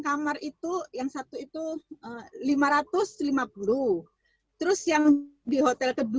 kamar itu yang satu itu lima ratus lima puluh terus yang di hotel kedua